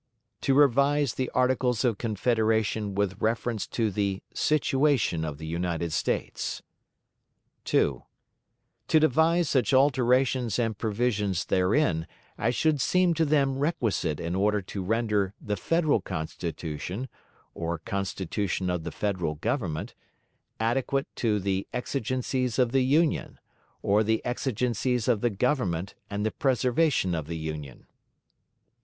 "To revise the Articles of Confederation with reference to the 'situation of the United States'; 2. "To devise such alterations and provisions therein as should seem to them requisite in order to render 'the Federal Constitution,' or 'Constitution of the Federal Government,' adequate to 'the exigencies of the Union,' or 'the exigencies of the Government and the preservation of the Union'; 3.